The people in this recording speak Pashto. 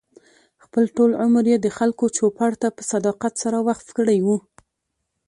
خپل ټول عمر یې د خلکو چوپـړ ته په صداقت سره وقف کړی و.